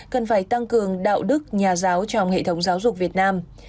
cần phải tăng cường đạo đức nhà giáo trong hệ thống giáo dục việt nam